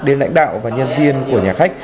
đến lãnh đạo và nhân viên của nhà khách